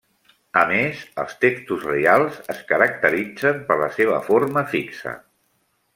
A més, els textos reials es caracteritzen per la seva forma fixa.